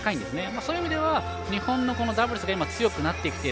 そういう意味では日本のダブルスが非常に強くなってきている。